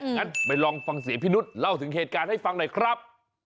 งั้นไปลองฟังเสียงพี่นุษย์เล่าถึงเหตุการณ์ให้ฟังหน่อยครับ